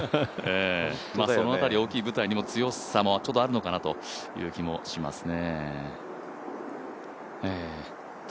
その辺り、大きい舞台への強さもちょっとあるのかなという気がしますね。